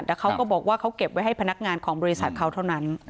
แต่เขาก็บอกว่าเขาเก็บไว้ให้พนักงานของบริษัทเขาเท่านั้น